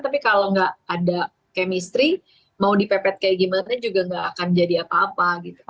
tapi kalau nggak ada chemistry mau dipepet kayak gimana juga nggak akan jadi apa apa gitu